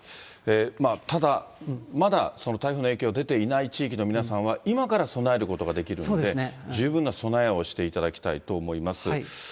ただ、まだその台風の影響が出ていない地域の皆さんは、今から備えることができるので、十分な備えをしていただきたいと思います。